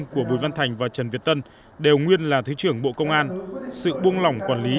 của bùi văn thành và trần việt tân đều nguyên là thứ trưởng bộ công an sự buông lỏng quản lý